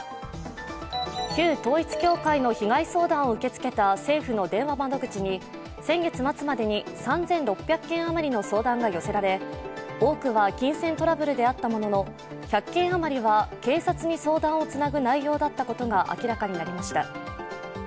旧統一教会の被害相談を受け付けた政府の電話窓口に先月末までに３６００件余りの相談が寄せられ、多くは金銭トラブルであったものの１００件あまりは警察に相談をつなぐ内容だったことが明らかになりました。